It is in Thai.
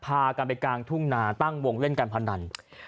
พากันไปกลางทุ่งนาตั้งวงเล่นการพนัน